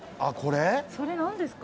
それ何ですか？